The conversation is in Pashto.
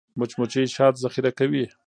مچمچۍ شات ذخیره کوي